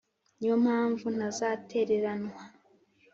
ni yo mpamvu ntazatereranwa.